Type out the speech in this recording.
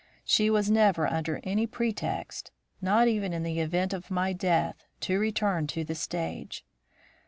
She was never under any pretext, not even in the event of my death, to return to the stage.